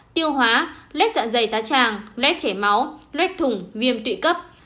tiêu hóa lét dạng dày tá tràng lét chảy máu lét thủng viêm tụy cấp